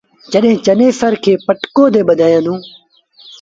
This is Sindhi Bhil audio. جڏهيݩ چنيسر کي پٽڪو تي ٻڌآيآندون۔